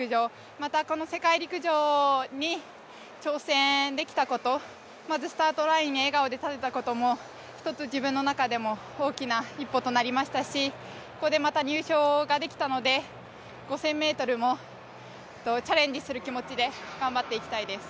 またこの世界陸上に挑戦できたことまずスタートラインで笑顔で立てたことも１つ自分の中でも大きな一歩となりましたし、ここでまた入賞ができたので５０００ｍもチャレンジする気持ちで頑張っていきたいです。